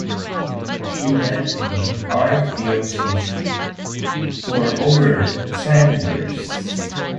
He led the Archdiocese for over ten years.